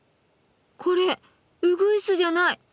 これうぐいすじゃない。